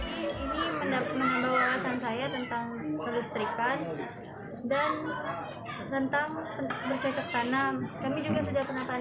ini pendapat menambah wawasan saya tentang listrikan dan tentang bercecak tanam